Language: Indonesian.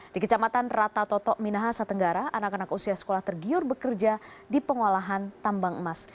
di kecamatan rata toto minahasa tenggara anak anak usia sekolah tergiur bekerja di pengolahan tambang emas